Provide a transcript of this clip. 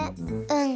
うん。